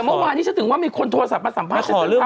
แต่เมื่อวานนี้ฉะนั้นมีคนโทรศัพท์มาสัมภาษณ์